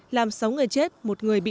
làm sáu người chết một người bị